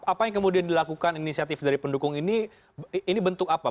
apa yang kemudian dilakukan inisiatif dari pendukung ini ini bentuk apa